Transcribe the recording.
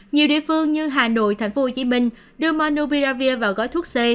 nhiều địa phương như hà nội tp hcm đưa monobiravir vào gói thuốc c